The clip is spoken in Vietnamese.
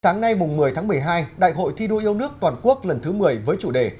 sáng nay một mươi tháng một mươi hai đại hội thi đua yêu nước toàn quốc lần thứ một mươi với chủ đề